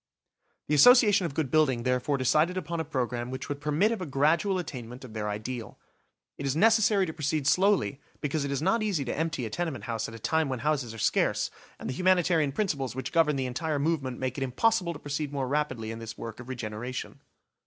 The Association of Good Building therefore decided upon a programme which would permit of a gradual attainment of their ideal. It is necessary to proceed slowly because it is not easy to empty a tenement house at a time when houses are scarce, and the humanitarian principles which govern the entire movement make it impossible to proceed more rapidly in this work of regeneration.